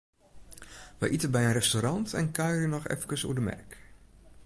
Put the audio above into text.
Wy ite by in restaurant en kuierje noch efkes oer de merk.